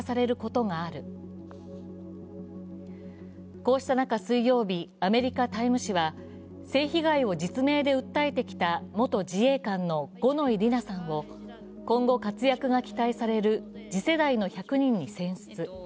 こうした中、水曜日、アメリカ・「タイム」誌は、性被害を元自衛官の五ノ井里奈さんを今後、活躍が期待される次世代の１００人に選出。